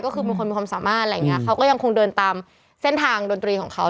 ก็คือมีคนมีความสามารถอะไรอย่างเงี้เขาก็ยังคงเดินตามเส้นทางดนตรีของเขา